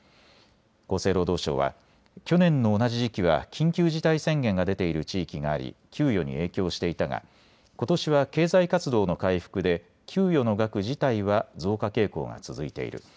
厚生労働省は去年の同じ時期は緊急事態宣言が出ている地域があり、給与に影響していたがことしは経済活動の回復で給与の額自体は増加傾向が続いている。